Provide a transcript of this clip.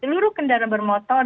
yang dimiliki kendaraan bermotor